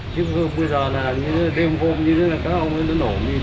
chứ bây giờ là đêm hôm như thế này các ông nó nổ mìn